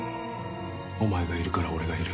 お前がいるから俺がいる。